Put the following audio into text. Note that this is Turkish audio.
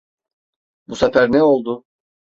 Bu sefer ne oldu?